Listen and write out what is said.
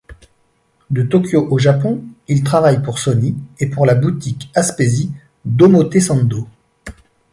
De Tokyo, au Japon, il travaille pour Sony et pour la boutique Aspesi d’Omotesando.